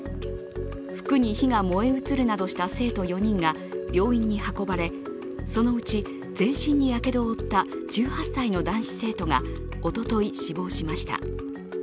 服に火が燃え移るなどした生徒４人が病院に運ばれ、そのうち、全身にやけどを負った１８歳の男子生徒がおととい死亡しました。